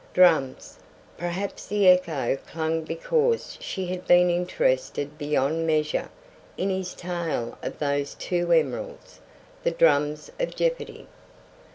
Drums! Perhaps the echo clung because she had been interested beyond measure in his tale of those two emeralds, the drums of jeopardy.